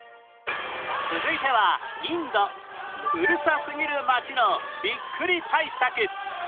続いてはインド、うるさすぎる町のびっくり対策。